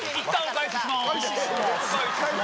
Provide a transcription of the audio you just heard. お返しします。